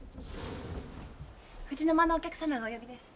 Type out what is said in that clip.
藤の間のお客様がお呼びです。